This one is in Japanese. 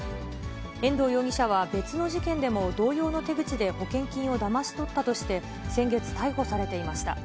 遠藤容疑者は別の事件でも同様の手口で保険金をだまし取ったとして、先月、逮捕されていました。